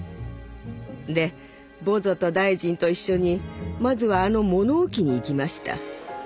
でボゾと大臣と一緒にまずはあの物置に行きました。